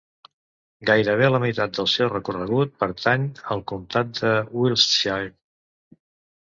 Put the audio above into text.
Gairebé la meitat del seu recorregut pertany al comtat de Wiltshire.